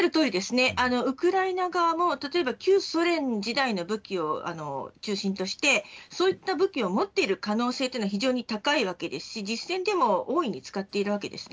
ウクライナ側も旧ソ連時代の武器を中心としてそういった武器を持っている可能性も高いわけですし実戦でも使っています。